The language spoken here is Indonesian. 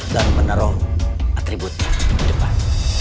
dan menerong atribut hidupan